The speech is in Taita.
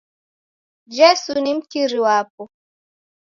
Jesu ni mkiri wapo.